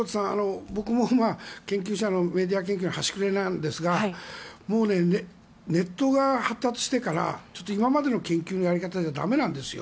僕もメディア研究者の端くれなんですがネットが発達してから今までの研究のやり方じゃだめなんですよ。